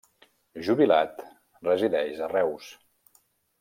Jubilat, resideix a Reus.